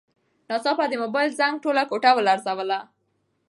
ناڅاپه د موبایل زنګ ټوله کوټه ولړزوله.